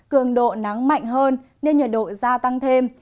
cường độ nắng mạnh hơn nên nhiệt độ gia tăng thêm